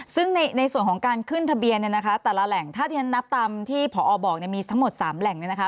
ซึ่งในส่วนของการขึ้นทะเบียนเนี่ยนะคะแต่ละแหล่งถ้าที่ฉันนับตามที่ผอบอกมีทั้งหมด๓แหล่งเนี่ยนะคะ